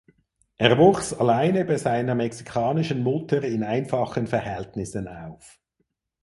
Er wuchs alleine bei seiner mexikanischen Mutter in einfachen Verhältnissen auf.